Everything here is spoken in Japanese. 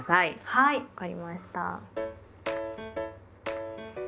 はい分かりました。